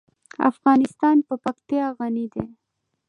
افغانستان په پکتیا غني دی.